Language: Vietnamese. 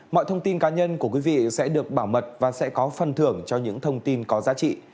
mọi thông tin cá nhân của quý vị sẽ được bảo mật và sẽ có phần thưởng cho những thông tin có giá trị